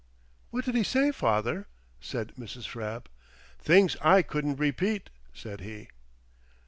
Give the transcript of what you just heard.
"What did he say, father?" said Mrs. Frapp. "Things I couldn't' repeat," said he.